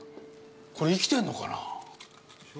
これ、生きてんのかな？